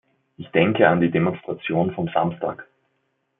Ich denke an die Demonstration vom Samstag.